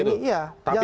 selama ini jangan sampai